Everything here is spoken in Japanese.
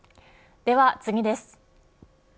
では次です。